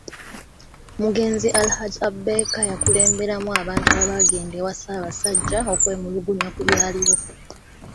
Omugenzi Alhaji Abubaker yakulemberamu abantu abaagenda ewa Ssabasajja okwemulugunya ku byaliwo